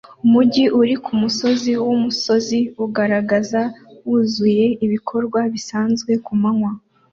Umujyi uri kumusozi wumusozi ugaragara wuzuye ibikorwa bisanzwe kumanywa